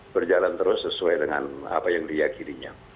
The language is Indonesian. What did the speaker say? berjalan terus sesuai dengan apa yang dia kirinya